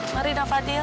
mari dah fadil